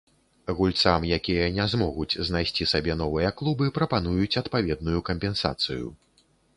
Гульцам, якія не змогуць знайсці сабе новыя клубы, прапануюць адпаведную кампенсацыю.